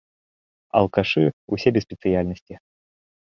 Алкашы, ўсе без спецыяльнасці.